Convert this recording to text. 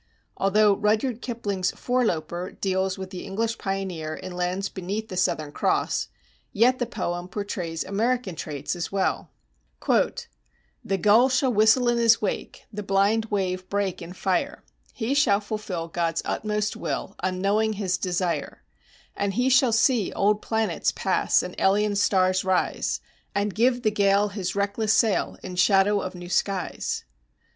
Although Rudyard Kipling's "Foreloper"[270:1] deals with the English pioneer in lands beneath the Southern Cross, yet the poem portrays American traits as well: "The gull shall whistle in his wake, the blind wave break in fire, He shall fulfill God's utmost will, unknowing his desire; And he shall see old planets pass and alien stars arise, And give the gale his reckless sail in shadow of new skies.